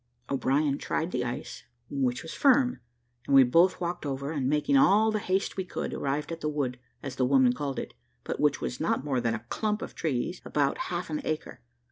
O'Brien tried the ice, which was firm, and we both walked over, and making all the haste we could, arrived at the wood, as the woman called it, but which was not more than a clump of trees of about half an acre.